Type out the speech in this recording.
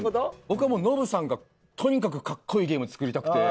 僕はもうノブさんがとにかくかっこいいゲームを作りたくて。